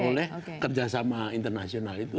oleh kerjasama internasional itu